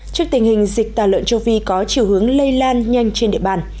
trước tình hình dịch tà lợn châu phi có chiều hướng lây lan nhanh trên địa bàn